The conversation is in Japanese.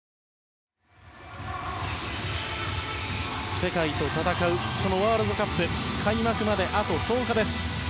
世界と戦うそのワールドカップ開幕まであと１０日です。